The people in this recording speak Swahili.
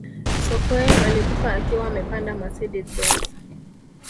sokoine alikufa akiwa amepanda mercedes benz